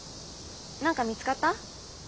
なんか見つかった？